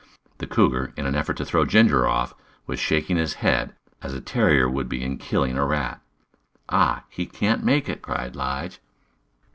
The cougar, in an effort to throw Ginger off, was shaking his head, as a terrier would in killing a rat. "Ah! He can't make it," cried Lige.